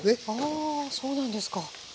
あそうなんですか。